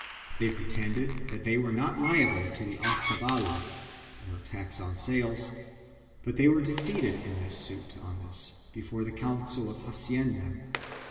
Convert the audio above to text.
They pretended that they were not liable to the alcavala (tax on sales) but they were defeated in the suit on this before the Council of Hacienda.